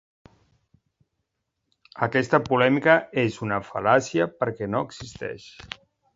Aquesta polèmica és una fal·làcia perquè no existeix.